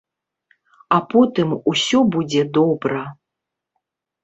А потым усё будзе добра.